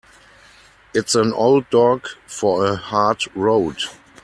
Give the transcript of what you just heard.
It's an old dog for a hard road.